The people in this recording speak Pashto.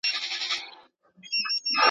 ما ته وایه چې ستا د سفر پلان څه دی؟